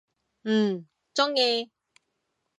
嗯，中意！